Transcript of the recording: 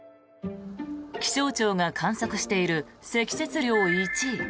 気象庁が観測している積雪量１位